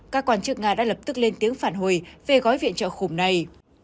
các quan chức nga đã lập tức lên tiếng phản hồi về gói viện trợ khủng này